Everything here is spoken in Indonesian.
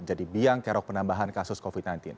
jadi biang kerok penambahan kasus covid sembilan belas